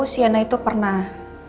siana itu pernah